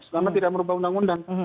karena tidak merubah undang undang